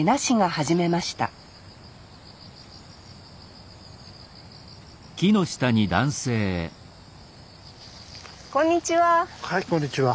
はいこんにちは。